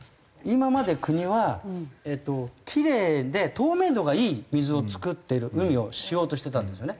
今まで国はキレイで透明度がいい水を作ってる海をしようとしてたんですよね。